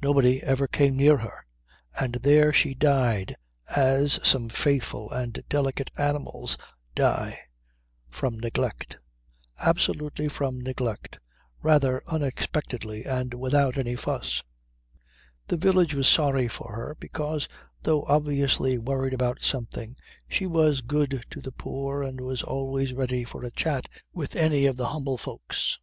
Nobody ever came near her. And there she died as some faithful and delicate animals die from neglect, absolutely from neglect, rather unexpectedly and without any fuss. The village was sorry for her because, though obviously worried about something, she was good to the poor and was always ready for a chat with any of the humble folks.